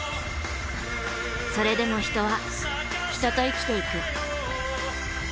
それでも人は人と生きていく。